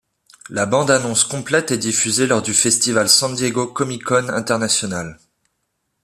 La bande-annonce complète est diffusée lors du festival San Diego Comic-Con International.